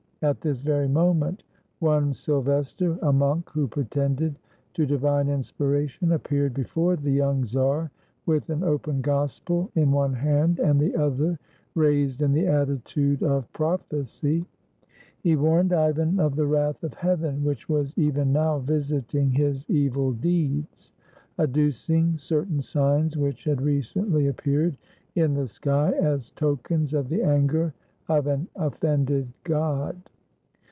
At this very moment, one Sylves ter, a monk who pretended to divine inspiration, ap peared before the young czar with an open Gospel in one hand, and the other raised in the attitude of prophecy. He warned Ivan of the wrath of Heaven, which was even now visiting his evil deeds, adducing certain signs which had recently appeared in the sky as tokens of the anger of an offended God.